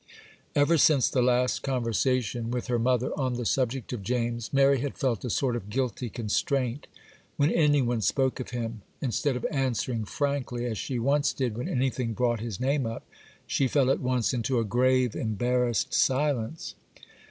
Ever since the last conversation, with her mother on the subject of James, Mary had felt a sort of guilty constraint when any one spoke of him; instead of answering frankly, as she once did when anything brought his name up, she fell at once into a grave, embarrassed silence.